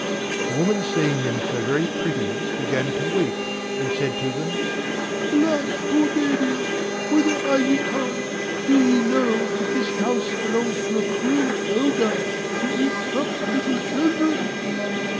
The woman seeing them so very pretty, began to weep, and said to them: "Alas! poor babies, whither are ye come? Do ye know that this house belongs to a cruel Ogre, who eats up little children?"